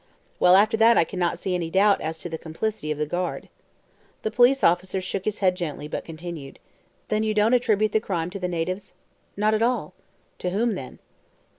"Well, after that I cannot see any doubt as to the complicity of the guard." The police officer shook his head gently, but continuously. "Then you don't attribute the crime to the natives?" "Not at all." "To whom then?"